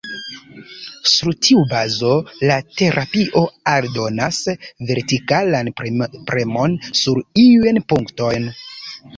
Sur tiu bazo la terapio aldonas vertikalan premon sur iujn punktojn.